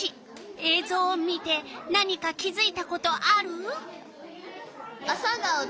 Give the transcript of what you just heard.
えいぞうを見て何か気づいたことある？